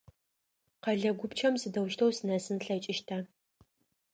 Къэлэ гупчэм сыдэущтэу сынэсын слъэкӏыщта?